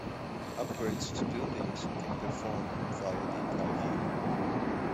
Upgrades to buildings can be performed via the Empire view.